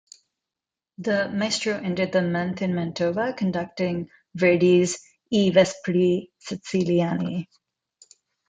The Maestro ended the month in Mantova conducting Verdi's "I vespri Siciliani".